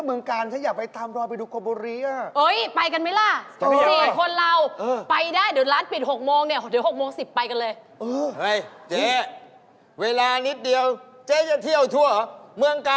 เมืองการที่เที่ยวเยอะแยะ